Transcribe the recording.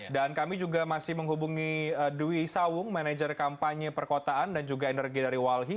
dan kami juga masih menghubungi dwi sawung manajer kampanye perkotaan dan juga energi dari walhi